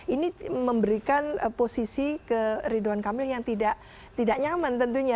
ini memberikan posisi ke ridwan kamil yang tidak nyaman tentunya